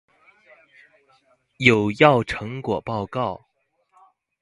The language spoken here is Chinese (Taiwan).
有要成果報告